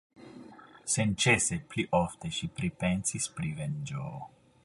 Senĉese pli ofte ŝi pripensis pri venĝo.